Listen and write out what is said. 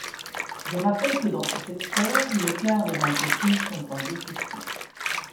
Je rappelle que, dans ce secteur, le quart des entreprises sont en déficit.